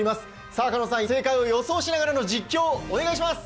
さぁ狩野さん、正解を予想しながら実況をお願いします。